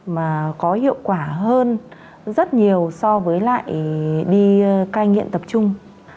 mà có hiệu quả hơn rất nhiều so với lại đi cai nghiện tập trung